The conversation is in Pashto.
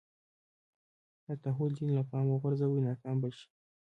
هر تحول دین له پامه وغورځوي ناکام به شي.